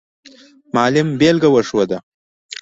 معلم مثال وښود.